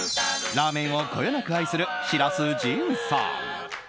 ラーメンをこよなく愛する白洲迅さん。